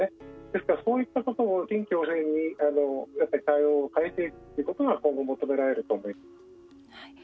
ですから、そういったことを臨機応変に対応を変えていくということは今後、求められると思います。